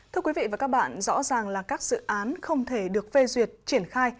thưa quý vị và các bạn rõ ràng là các dự án không thể được phê duyệt triển khai